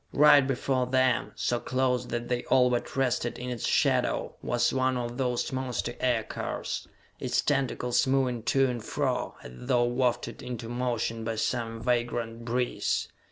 Right before them, so close that they all but rested in its shadow, was one of those monster aircars, its tentacles moving to and fro as though wafted into motion by some vagrant breeze.